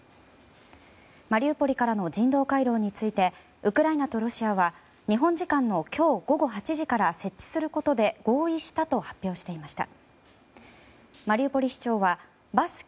マリウポリからの人道回廊についてウクライナとロシアは日本時間の今日午後８時から設置することで合意したと発表していました。